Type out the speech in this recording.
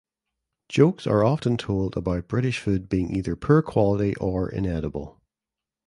Jokes are often told about British food being either poor quality or inedible.